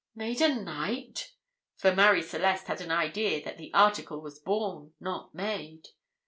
"Made a Knight?" for Marie Celeste had an idea that the article was born, not made.